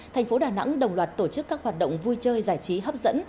thành phố đà nẵng đồng loạt tổ chức các hoạt động vui chơi giải trí hấp dẫn